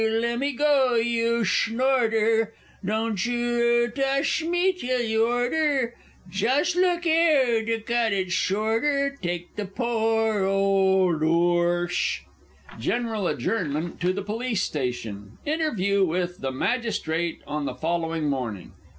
You le'mme go, you shnorter! Don' you tush me till you oughter! Jus' look 'ere to cut it shorter Take the poor old 'orsh! [General adjournment to the Police station. Interview with the Magistrate _on the following morning.